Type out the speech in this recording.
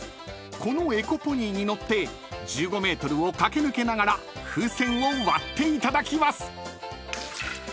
［このエコポニーに乗って１５ｍを駆け抜けながら風船を割っていただきます］